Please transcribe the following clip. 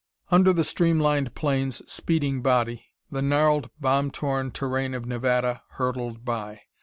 Under the streamlined plane's speeding body the gnarled, bomb torn terrain of Nevada hurtled by.